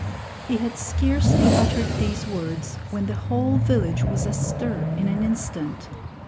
He had scarcely uttered these words when the whole village was astir in an instant.